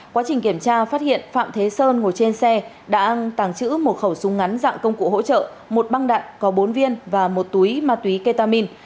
quá trình kiểm tra phát hiện phạm thế sơn ngồi trên xe đã tàng trữ một khẩu súng ngắn dạng công cụ hỗ trợ một băng đạn có bốn viên và một túi ma túy ketamin